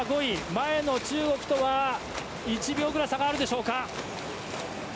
前の中国とは１秒ほど差があるでしょうか。